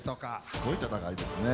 すごい戦いですね。